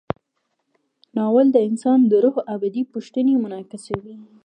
ناول د انسان د روح ابدي پوښتنې منعکسوي.